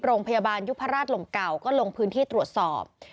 โรงพยาบาลยุพราชลมเก่าก็ลงพื้นที่ตรวจสอบ